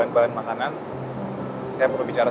lain kali jangan telat ya